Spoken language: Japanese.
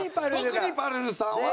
特にぱるるさんは。